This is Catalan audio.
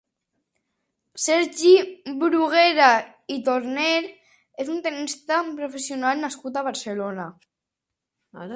Sergi Bruguera i Torner és un tennista professional nascut a Barcelona.